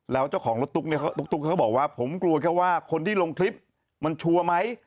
แล้วเจ้าของรถตุ๊กเนี่ยตุ๊กเขาก็บอกว่าผมกลัวแค่ว่าคนที่ลงคลิปมันชัวร์ไหม